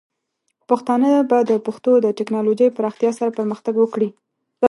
پښتانه به د پښتو د ټیکنالوجۍ پراختیا سره پرمختګ وکړي.